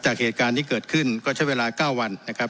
เหตุการณ์ที่เกิดขึ้นก็ใช้เวลา๙วันนะครับ